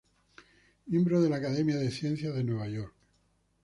Miembro de la Academia de Ciencias de Nueva York.